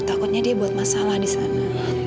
takutnya dia buat masalah disana